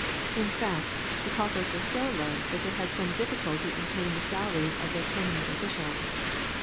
In fact, the coffers were so low that they had some difficulty in paying the salaries of their permanent officials.